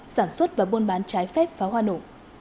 sản xuất và buôn bán trái phép pháo hoa nổ